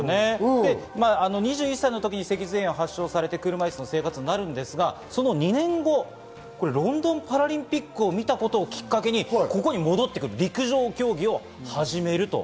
２１歳の時に脊髄炎を発症されて車いすの生活になるんですが、その２年後、ロンドンパラリンピックを見たことをきっかけに、ここに戻ってくる陸上競技を始めると。